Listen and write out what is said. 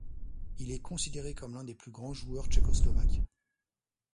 Il est considéré comme l'un des plus grands joueur tchécoslovaque.